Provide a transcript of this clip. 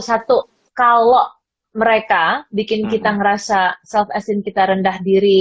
satu kalau mereka bikin kita ngerasa self essein kita rendah diri